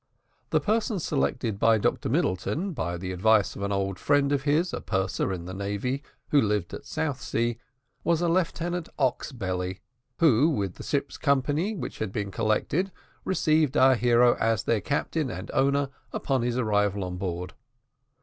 The person selected by Dr Middleton, by the advice of an old friend of his, a purser in the navy who lived at Southsea, was a Lieutenant Oxbelly, who, with the ship's company, which had been collected, received our hero as their captain and owner upon his arrival on board.